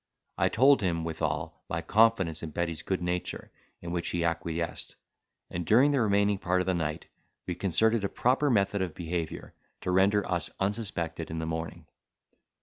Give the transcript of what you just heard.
I told him, withal, my confidence in Betty's good nature, in which he acquiesced; and during the remaining part of the night we concerted a proper method of behaviour, to render us unsuspected in the morning.